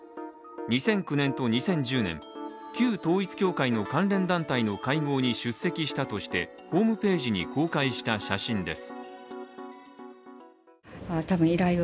２００９年と２０１０年、旧統一教会の関連団体の会合に出席したとしてホームページに公開した写真です。